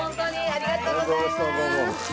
ありがとうございます。